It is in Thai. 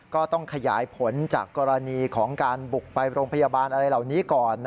ก็ต้องขยายผลจากกรณีของการบุกไปโรงพยาบาลอะไรเหล่านี้ก่อน